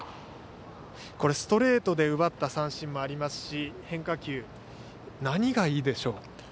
ストレートで奪った三振もありますし変化球、何がいいでしょう？